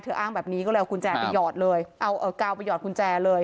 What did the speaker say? เธออ้างแบบนี้ก็เลยเอากาวไปหยอดกุญแจเลย